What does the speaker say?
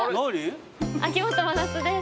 秋元真夏です。